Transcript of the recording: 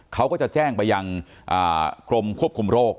เขาก็จะแจ้งไปยังกรมควบคุมโรค